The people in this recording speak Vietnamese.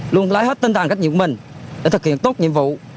luôn lấy hết tính toàn trách nhiệm của mình để thực hiện tốt nhiệm vụ